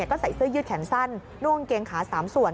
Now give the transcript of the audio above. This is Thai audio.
ก็ใส่เสื้อยืดแขนสั้นนุ่งเกงขา๓ส่วน